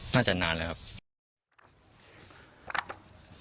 น่าจะนานแล้วครับ